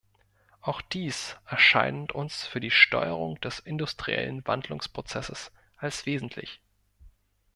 Auch dies erscheint uns für die Steuerung des industriellen Wandlungsprozesses als wesentlich.